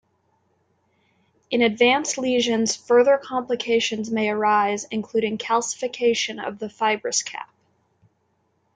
In advanced lesions further complications may arise including calcification of the fibrous cap.